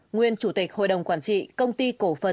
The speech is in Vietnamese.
nguyên chủ tịch hội đồng quản trị công ty cổ phần